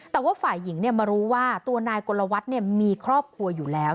แต่ว่าฝ่ายหญิงมารู้ว่าตัวนายกลวัฒน์มีครอบครัวอยู่แล้ว